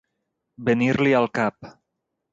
Venir-li al cap.